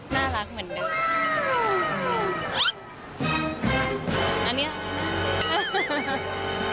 น่ารักเหมือนเดิม